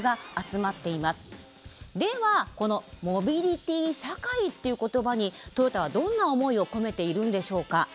ではこのモビリティ社会っていう言葉にトヨタはどんな思いを込めているんでしょうか。